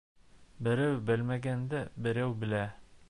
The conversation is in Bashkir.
Берәү белмәгәнде берәү белә.